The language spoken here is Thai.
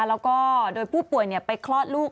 แล้วก็โดยผู้ป่วยไปคลอดลูก